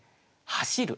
「走る」。